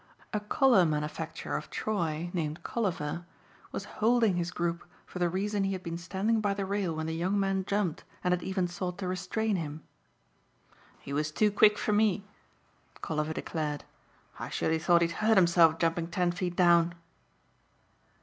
A collar manufacturer of Troy, named Colliver, was holding his group for the reason he had been standing by the rail when the young man jumped and had even sought to restrain him. "He was too quick for me," Colliver declared. "I surely thought he'd hurt himself jumping ten feet down."